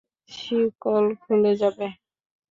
শিকল খুলে যাবে।